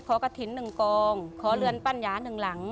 กระถิ่นหนึ่งกองขอเรือนปั้นยาหนึ่งหลัง